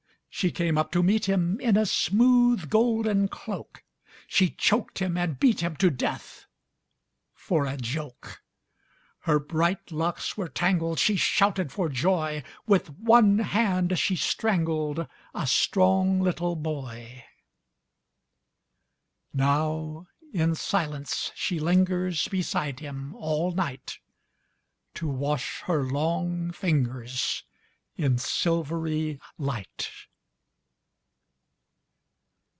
She came up to meet him In a smooth golden cloak, She choked him and beat him to death, for a joke. Her bright locks were tangled, She shouted for joy With one hand she strangled A strong little boy. Now in silence she lingers Beside him all night To wash her long fingers In silvery light.